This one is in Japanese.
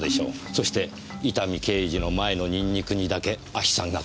そして伊丹刑事の前のニンニクにだけ亜ヒ酸が混入されていた。